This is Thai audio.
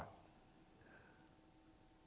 คนเวลามาเที่ยวสมุยเนี่ย